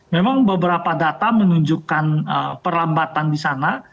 memang beberapa data menunjukkan perlambatan di sana